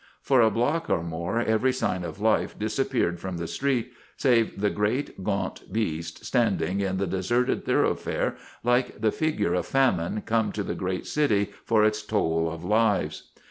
For a block or more every sign of life disappeared from the street save the great, gaunt beast standing in the deserted thoroughfare like the figure of famine come to the great city for its toll of lives.